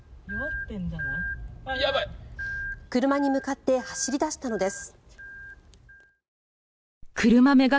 車に向かって走り出したのです。